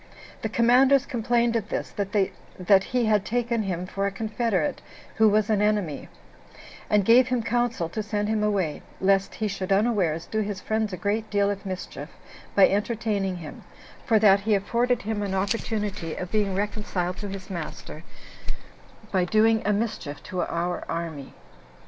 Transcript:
The commanders complained of this, that he had taken him for a confederate who was an enemy; and gave him counsel to send him away, lest he should unawares do his friends a great deal of mischief by entertaining him, for that he afforded him an opportunity of being reconciled to his master by doing a mischief to our army.